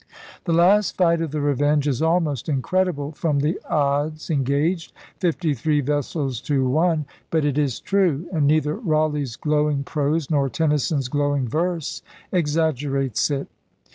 'THE ONE AND THE FIFTY THREE' 197 The last fight of the Revenge is almost incredible from the odds engaged — fifty three vessels to one. But it is true; and neither Raleigh's glowing prose nor Tennyson's glowing verse exaggerates it.